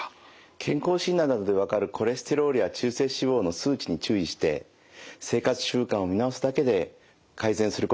健康診断などで分かるコレステロールや中性脂肪の数値に注意して生活習慣を見直すだけで改善することが多いですね。